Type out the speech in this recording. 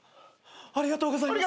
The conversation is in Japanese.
ありがとうございます！